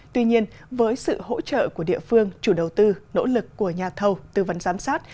tuy nhiên với sự hỗ trợ của địa phương chủ đầu tư nỗ lực của nhà thầu tư vấn giám sát